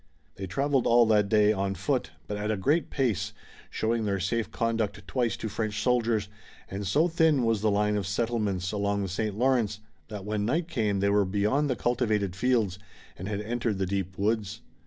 They traveled all that day on foot, but at a great pace, showing their safe conduct twice to French soldiers, and so thin was the line of settlements along the St. Lawrence that when night came they were beyond the cultivated fields and had entered the deep woods.